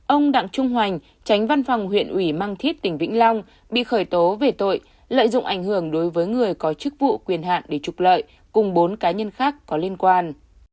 chín ông đặng trung hoành tránh văn phòng huyện ủy mang thít tỉnh vĩnh long bị khởi tố về tội lợi dụng ảnh hưởng đối với người có chức vụ quyền hạn để trục lợi cùng bốn cá nhân khác có liên quan